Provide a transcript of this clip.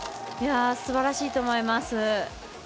すばらしいと思います。